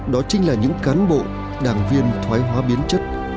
đó chính là những cán bộ đảng viên thoái hóa biến chất